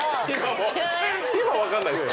今分かんないですか？